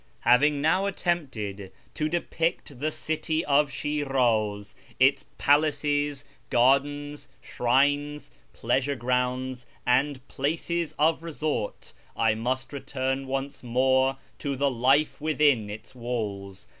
Having now attempted to depict the city of Shiriiz — its palaces, gardens, shrines, pleasure grounds, and places of resort — I must return once more to the life within its walls.